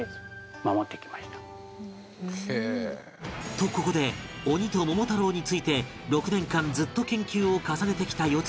とここで鬼と桃太郎について６年間ずっと研究を重ねてきたよつばちゃん